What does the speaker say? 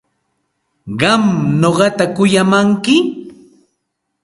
¿Qam nuqata kuyamanki?